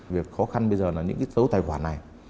việc khó khăn bây giờ là những cái số tài khoản này